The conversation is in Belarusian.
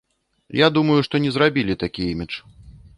Я думаю, што не зрабілі такі імідж.